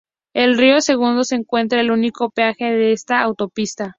En Río Segundo se encuentra el único peaje de esta autopista.